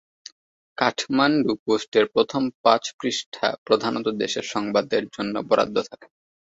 কাঠমান্ডু পোস্টের প্রথম পাঁচ পৃষ্ঠা প্রধানত দেশের সংবাদের জন্য বরাদ্দ থাকে।